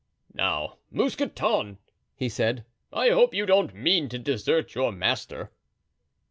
"Now, Mousqueton," he said, "I hope you don't mean to desert your master?"